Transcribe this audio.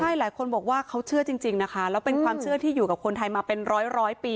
ใช่หลายคนบอกว่าเขาเชื่อจริงนะคะแล้วเป็นความเชื่อที่อยู่กับคนไทยมาเป็นร้อยปี